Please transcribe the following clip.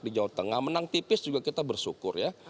di jawa tengah menang tipis juga kita bersyukur ya